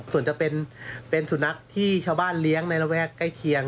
ส่วนจะเป็นสุนัขที่ชาวบ้านเลี้ยงในระแวกใกล้เคียง